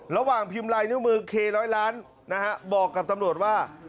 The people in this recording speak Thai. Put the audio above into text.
ระหว่างพิมพ์ลายนิ้วมือเคร้อยล้านนะฮะบอกกับตำรวจว่า